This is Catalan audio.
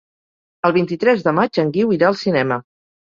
El vint-i-tres de maig en Guiu irà al cinema.